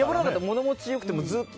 物持ち良くて、ずっと。